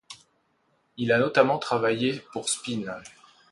Il a notamment travaillé pour Spin.